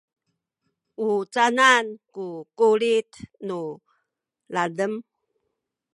u canan ku kulit nu ladem?